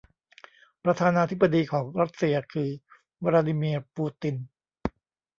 ประธานาธิบดีของรัสเซียคือ วลาดีมีร์ ปูติน